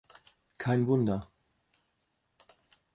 Kein Wunder.